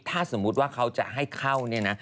ถ้าสมมุติว่าเขาจะให้เข้าเนี่ยนะ